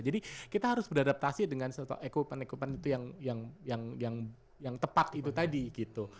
jadi kita harus beradaptasi dengan sebuah equipment equipment yang tepat itu tadi gitu